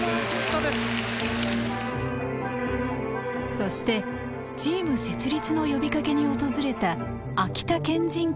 そしてチーム設立の呼びかけに訪れた秋田県人会で発見があった。